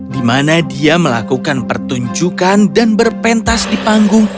di mana dia melakukan pertunjukan dan berpentas di panggung